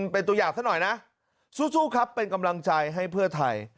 เป็นตัวอย่างซะหน่อยนะสู้ครับเป็นกำลังใจให้เพื่อไทย